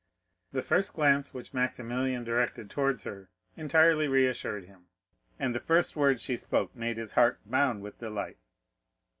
The first glance which Maximilian directed towards her entirely reassured him, and the first words she spoke made his heart bound with delight.